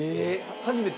初めて？